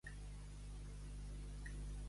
—Eixe d'on és? —D'Are. —D'Are? —De la figa sa mare.